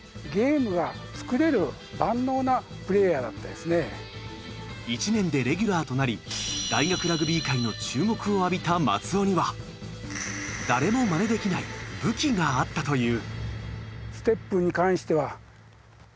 でも１年でレギュラーとなり大学ラグビー界の注目を浴びた松尾には誰もマネできない武器があったという。